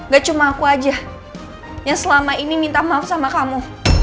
gak cuma aku aja yang selama ini minta maaf sama kamu